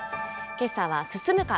けさは、進むか！